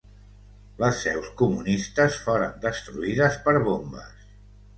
Les seus comunistes foren destruïdes per bombes.